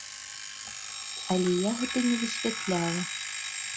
Але я гэта не высвятляла.